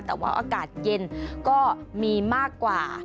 แต่ว่าอากาศเย็นก็มีมากกว่า